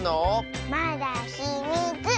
まだひみつ！